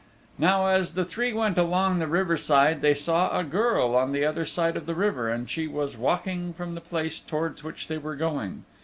Now as the three went along the river side they saw a girl on the other side of the river and she was walking from the place towards which they were going.